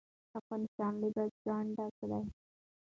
افغانستان له بزګان ډک دی.